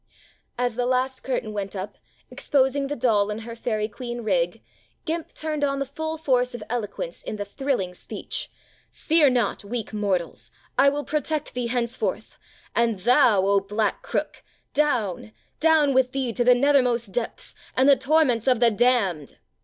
As the last curtain went up, exposing the doll in her fairy queen rig, "Gimp" turned on the full force of eloquence in the thrill ing speech : "Fear not, weak mortals, I will protect thee henceforth. And THOU, 0 Black Crook, down, down with thee to the nethermost depths, and the torments of the damned."